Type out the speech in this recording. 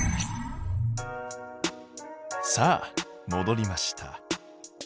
さあもどりました。